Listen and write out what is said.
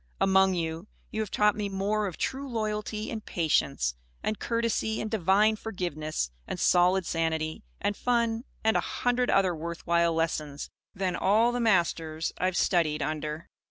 Among you, you have taught me more of true loyalty and patience and courtesy and divine forgiveness and solid sanity and fun and a hundred other worth while lessons, than all the masters I have studied under.